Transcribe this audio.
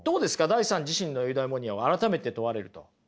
ダイさん自身のエウダイモニアを改めて問われると。